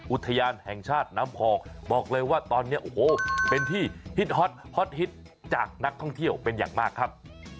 อุทยานแห่งชาติน้ำพองบอกเลยว่าตอนนี้โอ้โหเป็นที่ฮิตฮอตฮอตฮิตจากนักท่องเที่ยวเป็นอย่างมากครับ